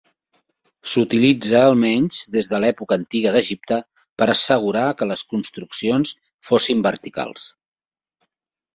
S’utilitza almenys des de l’època antiga d’Egipte per assegurar que les construccions fossin verticals.